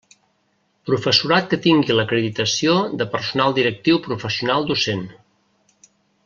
Professorat que tingui l'acreditació de personal directiu professional docent.